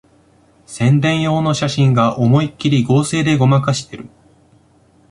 宣伝用の写真が思いっきり合成でごまかしてる